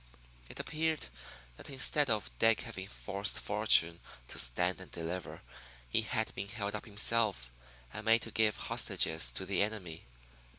It appeared that instead of Dick having forced Fortune to stand and deliver, he had been held up himself, and made to give hostages to the enemy.